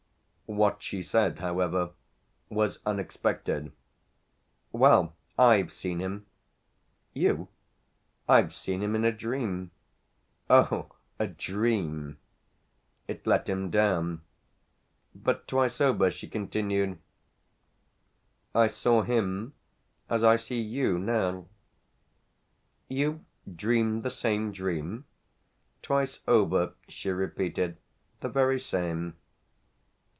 What she said however was unexpected. "Well, I've seen him." "You ?" "I've seen him in a dream." "Oh a 'dream' !" It let him down. "But twice over," she continued. "I saw him as I see you now." "You've dreamed the same dream ?" "Twice over," she repeated. "The very same."